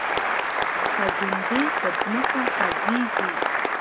خزندې په ځمکه خوځیږي